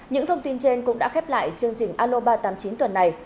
những thông tin trên cũng đã khép lại chương trình aloba tám mươi chín tuần này